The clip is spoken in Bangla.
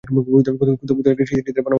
কোথায় লাগে সীতার বনবাস আর ড়ুবালের গল্প?